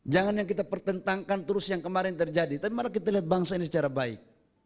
jangan yang kita pertentangkan terus yang kemarin terjadi tapi mari kita lihat bangsa ini secara baik